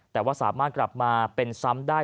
แต่ว่าสามารถกลับมาเป็นซ้ำได้